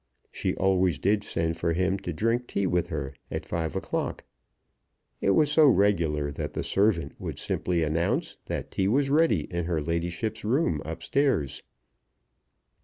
She always did send for him to drink tea with her at five o'clock. It was so regular that the servant would simply announce that tea was ready in her ladyship's room up stairs.